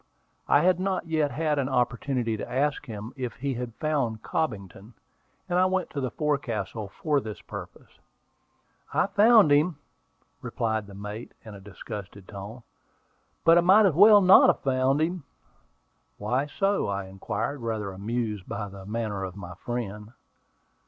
I had not yet had an opportunity to ask him if he had found Cobbington, and I went to the forecastle for this purpose. "I found him," replied the mate, in a disgusted tone. "But I might as well not have found him." "Why so?" I inquired, rather amused by the manner of my friend.